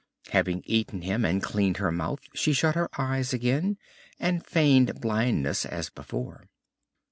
Having eaten him and cleaned her mouth she shut her eyes again and feigned blindness as before.